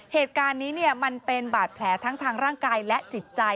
เหตุการณ์นี้มันเป็นบาดแผลทั้งทางร่างกายและจิตใจ